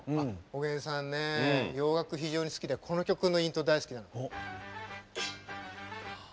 おげんさんね洋楽非常に好きでこの曲のイントロ大好きなの。